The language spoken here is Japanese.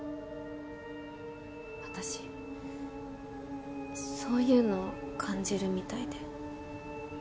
私そういうの感じるみたいで。